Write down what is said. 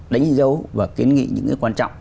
đánh dấu và kiến nghị những cái quan trọng